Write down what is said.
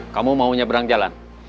kamu maunya berang jalan